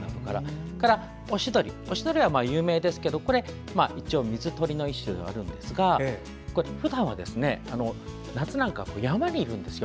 そして、オシドリは有名ですがこれ、一応水鳥の一種ではあるんですがふだん、夏なんかは山にいるんですよ。